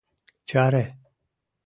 — Чаре!